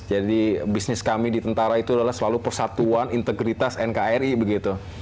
jadi bisnis kami di tentara itu adalah selalu persatuan integritas nkri begitu